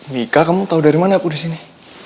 mika kamu tau dari mana aku disini